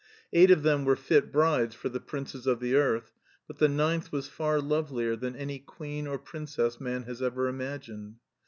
Eight of them were fit brides for the princes of the earth, but the ninth was far lovelier than any queen or prin cess man has ever imagined.